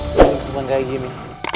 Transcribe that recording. dengan teman kayak gini